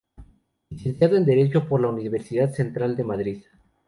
Licenciado en Derecho por la Universidad Central de Madrid.